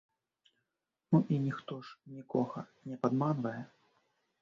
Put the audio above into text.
Ну і ніхто ж нікога не падманвае.